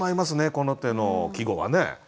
この手の季語はね。